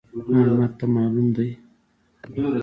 احمد ما ته مالوم دی؛ ټوله ورځ نجونې کوي.